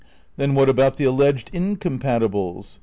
Then what about the alleged incompatibles